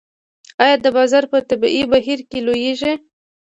یا د بازار په طبیعي بهیر کې لویږي.